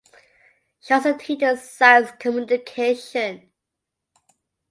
She also teaches science communication.